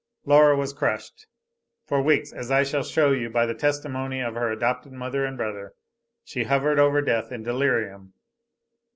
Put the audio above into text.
Laura was crushed. For weeks, as I shall show you by the testimony of her adopted mother and brother, she hovered over death in delirium.